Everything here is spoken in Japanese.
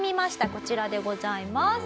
こちらでございます。